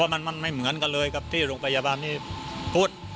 มันไม่เหมือนกันเลยกับที่โรงพยาบาลนี้พูด